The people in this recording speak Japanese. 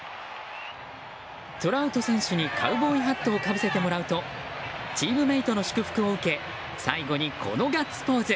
トラウト選手にカウボーイハットをかぶせてもらうとチームメートの祝福を受け最後に、このガッツポーズ。